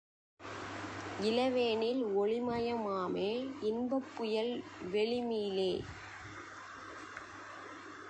இளவேனில் ஒளிமாயமே இன்பப்புயல் வெளிமீலே.